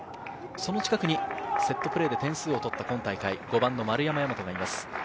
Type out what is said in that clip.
その近くにセットプレーで先制を取った今大会５番の丸山大和がいます。